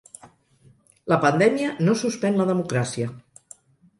"La pandèmia no suspèn la democràcia"